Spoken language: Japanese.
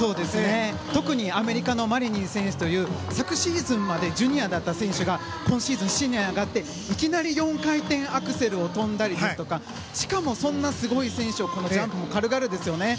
特にアメリカのマリニン選手という昨シーズンまでジュニアだった選手が今シーズンシニアに上がっていきなり４回転アクセルを跳んだりとかしかもそんなすごい選手ジャンプも軽々ですよね。